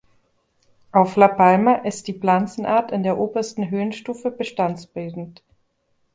Auf La Palma ist diese Pflanzenart in der obersten Höhenstufe bestandsbildend.